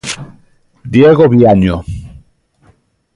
Diego Viaño.